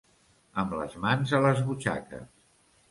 Amb les mans a les butxaques.